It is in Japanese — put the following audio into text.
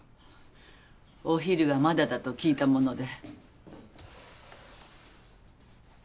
お昼がまだだと聞いたもので。